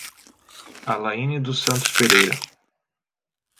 Alaine dos Santos Pereira